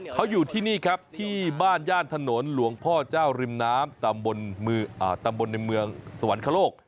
เขาอยู่ที่นี่ครับที่บ้านย่านถนนหลวงพ่อเจ้าริมน้ำตำบลในเมืองสวรรคโลก